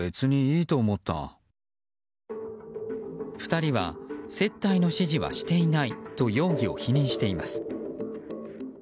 ２人は接待の指示はしていないと容疑を否認しています。